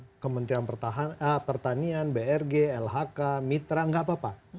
kalau kemudian ini dilaksanakan oleh kementerian pertanian brg lhk mitra enggak apa apa